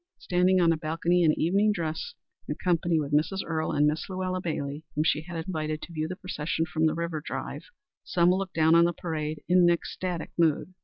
Standing on a balcony in evening dress, in company with Mrs. Earle and Miss Luella Bailey, whom she had invited to view the procession from the River Drive, Selma looked down on the parade in an ecstatic mood.